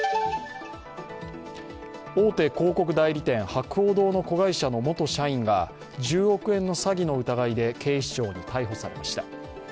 大手広告代理店、博報堂の子会社の元社員が１０億円の詐欺の疑いで警視庁に逮捕されました。